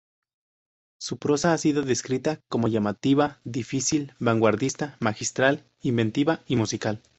Su prosa ha sido descrita como llamativa, difícil, vanguardista, magistral, inventiva y musical.